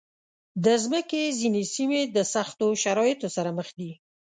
د مځکې ځینې سیمې د سختو شرایطو سره مخ دي.